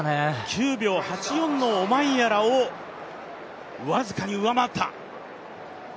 ９秒８４のオマンヤラを僅かに上回った。